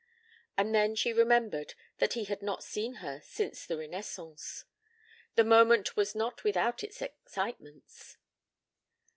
And then she remembered that he had not seen her since the renaissance. The moment was not without its excitements.